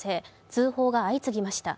通報が相次ぎました。